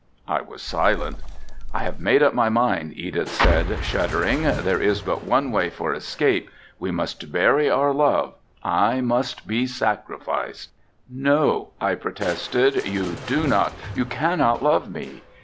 I was silent. "I have made up my mind," Edith said, shuddering. "There is but one way for escape, we must bury our love, I must be sacrificed." "No," I protested. "You do not, you cannot love me."